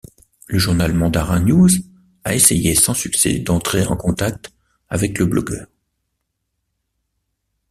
Le journal Mandarin news a essayé sans succès d'entrer en contact avec le blogueur.